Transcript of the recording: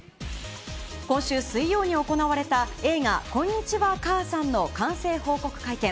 今週水曜に行われた映画、こんにちは、母さんの完成報告会見。